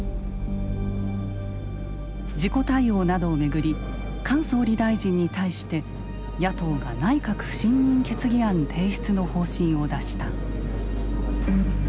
事故対応などを巡り菅総理大臣に対して野党が内閣不信任決議案提出の方針を出した。